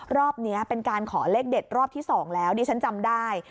รอบนี้เป็นการขอเลขเด็ดรอบที่๒แล้วดิฉันจำได้